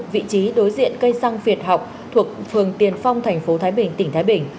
vị trí đối diện cây xăng việt học thuộc phường tiền phong thành phố thái bình tỉnh thái bình